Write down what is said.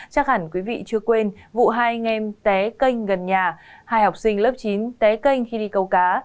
chắc hẳn quý vị chưa quên vụ hai anh em té kênh gần nhà hai học sinh lớp chín té kênh khi đi câu cá